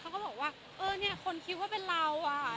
เขาก็แบบเนี่ยคนคิดว่าเป็นเรา